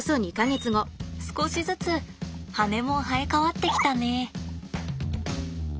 少しずつ羽根も生え変わってきたね。